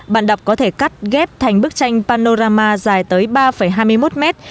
bạn đọc có thể cắt ghép thành bức tranh panorama dài tới ba hai mươi một mét